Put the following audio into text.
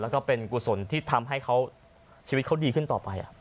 แล้วก็เป็นกุศลที่ทำให้เขาชีวิตเขาดีขึ้นต่อไป